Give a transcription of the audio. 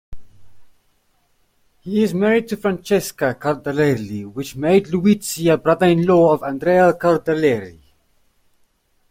He is married to Francesca Caldarelli which made Liuzzi a brother-in-law of Andrea Caldarelli.